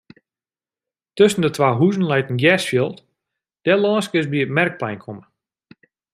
Tusken de twa huzen leit in gersfjild; dêrlâns kinst by it merkplein komme.